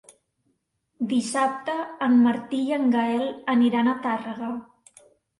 Dissabte en Martí i en Gaël aniran a Tàrrega.